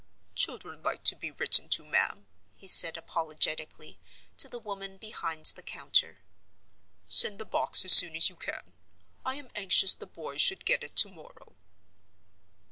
—"Children like to be written to, ma'am," he said, apologetically, to the woman behind the counter. "Send the box as soon as you can—I am anxious the boy should get it to morrow."